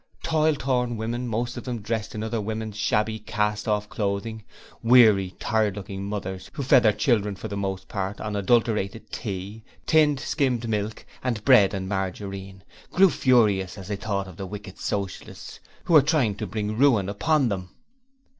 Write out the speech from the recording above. Toil worn women, most of them dressed in other women's shabby cast off clothing weary, tired looking mothers who fed their children for the most part on adulterated tea, tinned skimmed milk and bread and margarine, grew furious as they thought of the wicked Socialists who were trying to bring Ruin upon them.